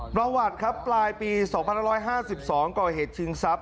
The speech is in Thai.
ประวัติครับปลายปี๒๕๕๒ก่อเหตุชิงทรัพย